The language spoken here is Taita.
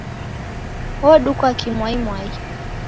Odukwa kimwaimwai!